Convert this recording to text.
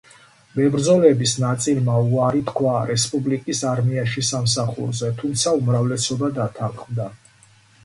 მებრძოლების ნაწილმა უარი თქვა რესპუბლიკის არმიაში სამსახურზე, თუმცა უმრავლესობა დათანხმდა.